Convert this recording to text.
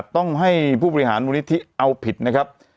ต้องให้ผู้บริหารมูลนิธิเอาผิดนะครับ